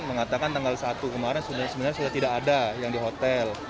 mengatakan tanggal satu kemarin sebenarnya sudah tidak ada yang di hotel